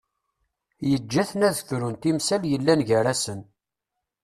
Yeǧǧa-ten ad frun timsal yellan gar-asen.